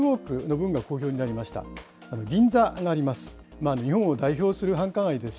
銀座があります。